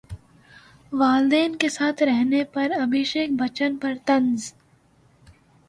والدین کے ساتھ رہنے پر ابھیشیک بچن پر طنز